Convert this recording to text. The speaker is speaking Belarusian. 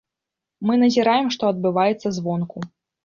Мы назіраем, што адбываецца звонку.